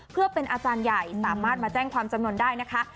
เพื่อเป็นอาจารย์ใหญ่สามารถมาแจ้งความจำนวนได้นะคะ